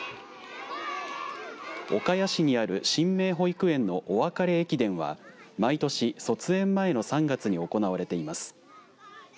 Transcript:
岡谷市にある神明保育園のお別れ駅伝は毎年、卒園前の３月に行われています。